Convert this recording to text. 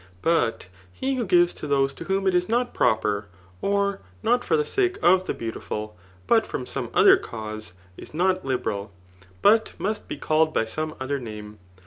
But he who gives to those to whom it is not proper, or not for the sake of. the beautiful, but from some other cause, is not liberal, but must be called by some other name.